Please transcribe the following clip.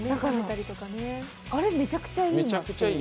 あれ、めちゃくちゃいいなって。